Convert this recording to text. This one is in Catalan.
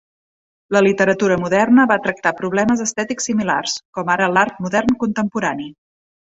La literatura moderna va tractar problemes estètics similars, com ara l'art modern contemporani.